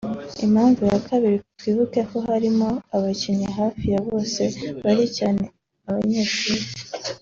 Impamvu ya kabiri twibuke ko bariya bakinnyi hafi ya bose baracyari abanyeshuri